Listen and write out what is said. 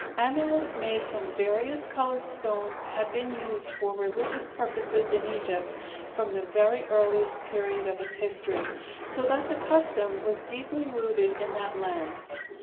Amulets made from various colored stones had been used for religious purposes in Egypt from the very earliest period of its history, so that the custom was deeply rooted in that land.